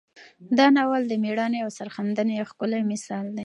دا ناول د میړانې او سرښندنې یو ښکلی مثال دی.